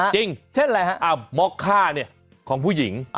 จริงม็อกค่าของผู้หญิง